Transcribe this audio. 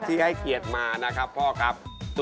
ให้เกียรติมานะครับพ่อครับ